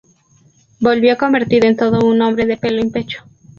Volvió convertido en todo un hombre de pelo en pecho